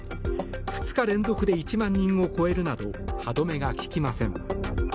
２日連続で１万人を超えるなど歯止めがききません。